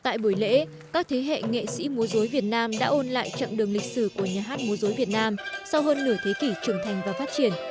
tại buổi lễ các thế hệ nghệ sĩ múa dối việt nam đã ôn lại chặng đường lịch sử của nhà hát mô dối việt nam sau hơn nửa thế kỷ trưởng thành và phát triển